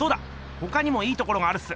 ほかにもいいところがあるっす。